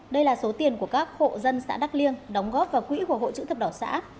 đây là số tiền của các hộ dân xã đắk liêng đóng góp vào quỹ của hội chữ thập đỏ xã